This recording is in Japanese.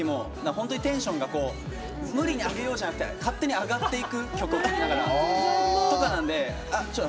本当にテンションが無理に上げようじゃなくて勝手に上がっていく曲だから。